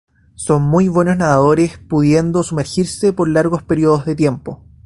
Son muy buenos nadadores, pudiendo sumergirse por largos periodos de tiempo.